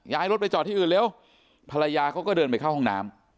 รถไปจอดที่อื่นเร็วภรรยาเขาก็เดินไปเข้าห้องน้ำ